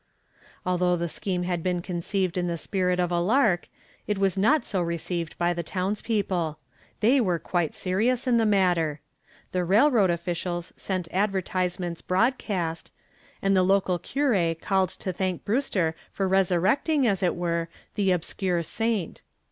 Although the scheme had been conceived in the spirit of a lark it was not so received by the townspeople. They were quite serious in the matter. The railroad officials sent advertisements broadcast, and the local cure called to thank Brewster for resurrecting, as it were, the obscure saint.